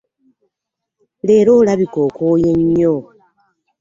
Leero olabika okooye nnyo.